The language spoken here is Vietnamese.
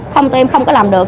không tụi em không có làm được